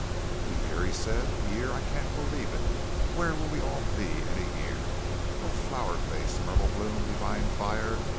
"A year," he said. "A year. I can't believe it. Where will we all be in a year? Oh, Flower Face, Myrtle Bloom, Divine Fire.